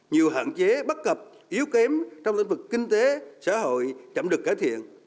nhiều hạn chế bắt cập yếu kém trong lĩnh vực kinh tế xã hội chậm được cải thiện